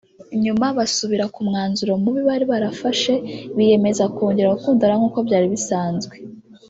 nyuma basubira ku mwanzuro mubi bari bafashe biyemeza kongera gukundana nkuko byari bisanzwe